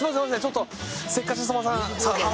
ちょっとせっかち鳥羽さん。